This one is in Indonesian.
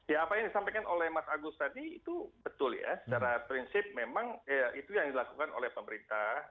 ya apa yang disampaikan oleh mas agus tadi itu betul ya secara prinsip memang itu yang dilakukan oleh pemerintah